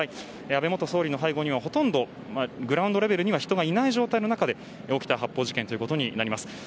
安倍元総理の背後はグラウンドレベルには、ほとんど人がいない状態の中で起きた発砲事件ということになります。